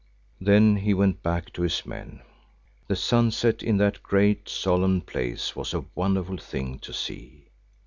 Then he went back to his men. The sunset in that great solemn place was a wonderful thing to see.